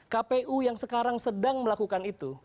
kpu yang sekarang sedang melakukan itu